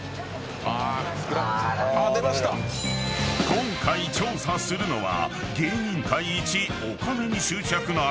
［今回調査するのは］